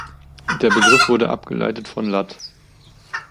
Der Begriff wurde abgeleitet von lat.